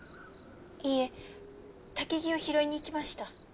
いいえ薪を拾いに行きました。